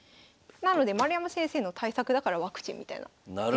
なので丸山先生の対策だからワクチンみたいな。